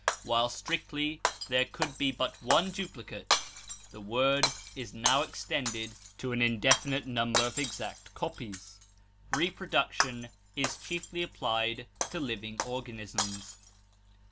While strictly there could be but one duplicate, the word is now extended to an indefinite number of exact copies. Reproduction is chiefly applied to living organisms.